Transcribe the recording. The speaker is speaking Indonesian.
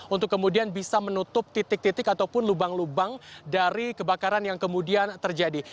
untuk kemudian bisa menutup titik titik ataupun lubang lubang dari kebakaran yang kemudian terjadi